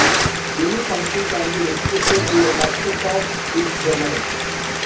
Any function can be restricted to a subset of its domain.